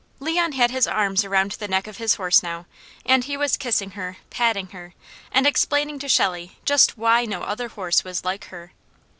Leon had his arms around the neck of his horse now, and he was kissing her, patting her, and explaining to Shelley just why no other horse was like her.